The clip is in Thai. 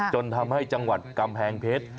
จนทำให้จังหวัดกำแพงเพชร